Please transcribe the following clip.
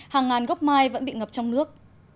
hàng ngàn gốc mai vẫn bị ngập trong nước